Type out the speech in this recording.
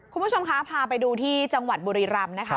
คุณผู้ชมคะพาไปดูที่จังหวัดบุรีรำนะคะ